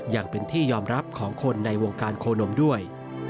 ยังเป็นที่ยอมรับของคนในวงการโคนมด้วย